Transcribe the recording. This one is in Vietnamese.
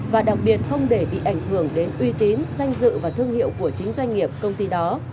và đặc biệt không để bị ảnh hưởng đến uy tín danh dự và thương hiệu của chính doanh nghiệp công ty đó